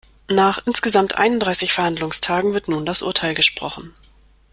Nach insgesamt einunddreißig Verhandlungstagen wird nun das Urteil gesprochen.